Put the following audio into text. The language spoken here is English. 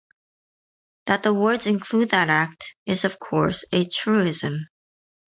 That the words include that act is, of course, a truism.